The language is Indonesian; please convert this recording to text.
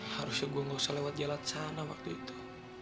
harusnya gue gak usah lewat jalan sana waktu itu